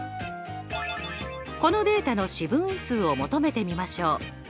このデータの四分位数を求めてみましょう。